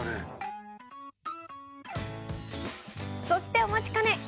「そしてお待ちかね！」